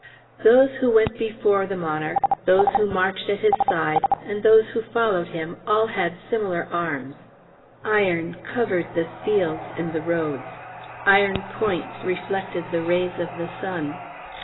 Those who went before the monarch, those who marched at his side, and those who followed him, all had similar arms. Iron covered the fields and the roads; iron points reflected the rays of the sun.